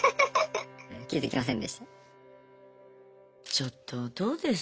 ちょっとどうです？